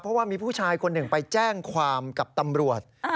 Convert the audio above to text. เพราะว่ามีผู้ชายคนหนึ่งไปแจ้งความกับตำรวจ